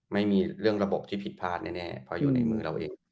ไม่มีเรื่องระบบที่ผิดพลาดแน่เพราะอยู่ในมือเราเอง